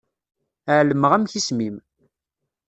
Ɛelmeɣ amek isem-im.